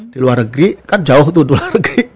dari negara kan jauh tuh